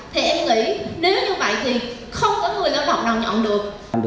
thì em nghĩ nếu như vậy thì không có người lao động nào nhận được